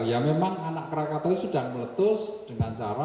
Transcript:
ya memang anak krakatau sudah meletus dengan cara